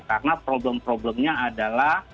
karena problem problemnya adalah